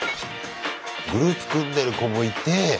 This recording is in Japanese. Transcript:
グループ組んでる子もいて。